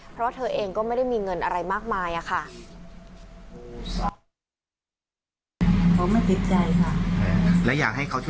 เพราะเธอเองก็ไม่ได้มีเงินอะไรมากมายค่ะ